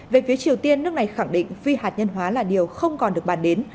về phía triều tiên nước này khẳng định phi hạt nhân hóa là điều không còn được bàn đến